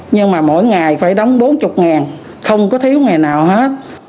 nhưng mà mỗi ngày phải đóng bốn mươi không có thiếu ngày nào hết